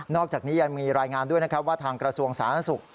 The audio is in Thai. อกจากนี้ยังมีรายงานด้วยนะครับว่าทางกระทรวงสาธารณสุข